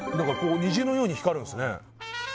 虹のように光るんですね